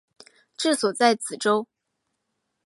治所在梓州。